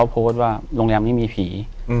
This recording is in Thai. ไปท้าผี